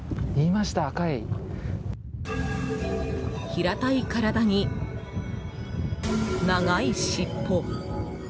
平たい体に長い尻尾。